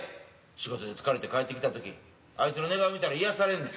仕事で疲れて帰ってきたときあいつの寝顔見たら癒やされんねん。